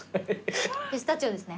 ピスタチオですね？